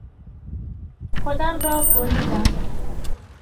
خودم را بریدم.